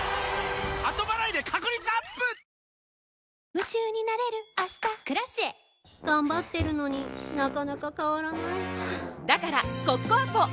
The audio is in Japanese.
夢中になれる明日「Ｋｒａｃｉｅ」頑張ってるのになかなか変わらないはぁだからコッコアポ！